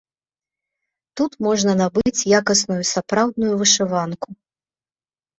Тут можна набыць якасную сапраўдную вышыванку.